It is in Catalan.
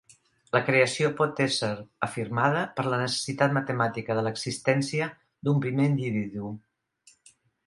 La Creació pot ésser afirmada per la necessitat matemàtica de l'existència d'un primer individu.